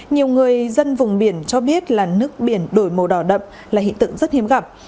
nhiều người dân vùng biển cho biết là nước biển đổi màu đỏ đậm là hiện tượng rất hiếm gặp